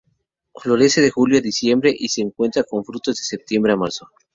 Florece de julio a diciembre y se encuentra con frutos de septiembre a marzo.